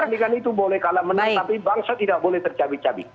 pertandingan itu boleh kalah menang tapi bangsa tidak boleh tercabik cabik